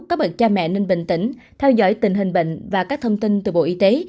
các bậc cha mẹ nên bình tĩnh theo dõi tình hình bệnh và các thông tin từ bộ y tế